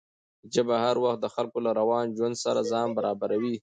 ژبه هر وخت د خلکو له روان ژوند سره ځان برابروي.